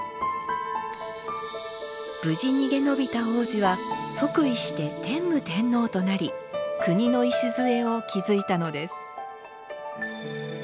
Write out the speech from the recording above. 無事逃げ延びた皇子は即位して天武天皇となり国の礎を築いたのです。